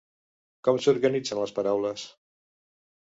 Com s'organitzen les paraules?